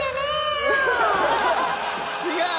違う？